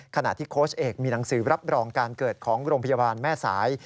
ขณะที่โค้ชเอกมีหนังสือรับรองการเกิดของโรงพยาบาลแม่สาย